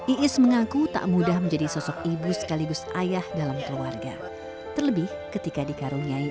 iis mengaku tak mudah menjadi sosok ibu sekaligus ayah dalam keluarga terlebih ketika dikaruniai